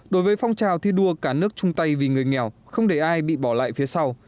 đối với phong trào thi đua cả nước chung tay vì người nghèo không để ai bị bỏ lại phía sau